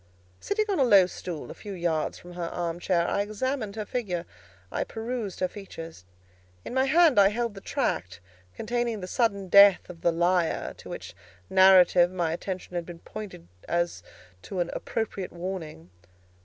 Sitting on a low stool, a few yards from her arm chair, I examined her figure; I perused her features. In my hand I held the tract containing the sudden death of the Liar, to which narrative my attention had been pointed as to an appropriate warning.